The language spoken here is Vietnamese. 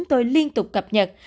chúng tôi liên tục cập nhật